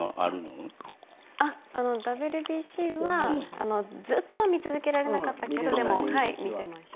ＷＢＣはずっとは見続けられなかったけど見てました。